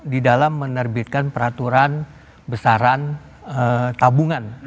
di dalam menerbitkan peraturan besaran tabungan